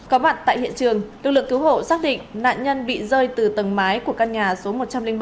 có mặt tại hiện trường lực lượng cứu hộ xác định nạn nhân bị rơi từ tầng mái của căn nhà số một trăm linh bảy